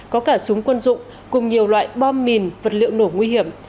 có cả súng quân dụng cùng nhiều loại bom mìn vật liệu nổ nguy hiểm